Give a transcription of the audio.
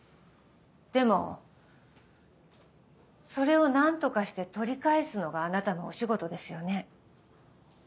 でもそれを何とかして取り返すのがあなたのお仕事ですよね。